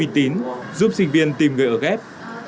tính giúp sinh viên tìm người ở ghép